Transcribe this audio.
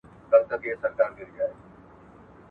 که تار وي نو پیوند نه شلیږي.